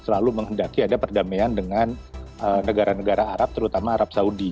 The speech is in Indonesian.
selalu menghendaki ada perdamaian dengan negara negara arab terutama arab saudi